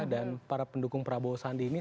dan para pendukung prabowo sandi ini